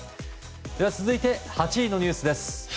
続いて８位のニュースです。